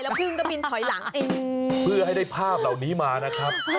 พึ่งก็บินถอยหลังเองเพื่อให้ได้ภาพเหล่านี้มานะครับ